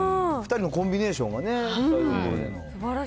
２人のコンビネーションは最高で。